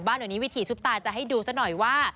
บ้านหน่อยนี้วิถีชุบตาจะให้ดูสักหน่อยว่า